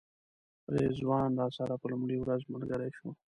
رضوان راسره په لومړۍ ورځ ملګری شو.